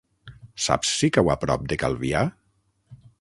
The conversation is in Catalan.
Saps si cau a prop de Calvià?